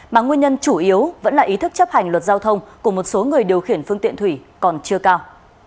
mà nguyên nhân chủ yếu vẫn là ý thức chấp hành luật giao thông của một số người điều khiển phương tiện thủy còn chưa cao